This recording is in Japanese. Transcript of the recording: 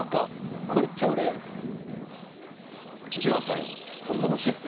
これ、超レアです。